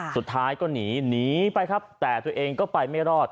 สุดท้ายก็หนีหนีไปครับแต่ตัวเองก็ไปไม่รอด